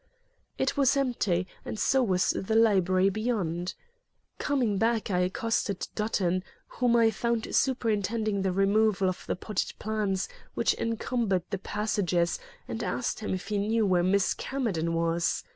It was empty, and so was the library beyond. Coming back, I accosted Dutton, whom I found superintending the removal of the potted plants which encumbered the passages, and asked him if he knew where Miss Camerden was?